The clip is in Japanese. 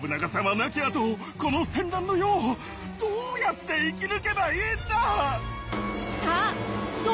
亡きあとこの戦乱の世をどうやって生き抜けばいいんだ！？